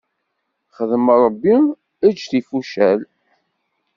Xdem Ṛebbi, eǧǧ tifucal.